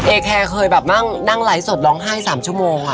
แคร์เคยแบบนั่งไลฟ์สดร้องไห้๓ชั่วโมงค่ะ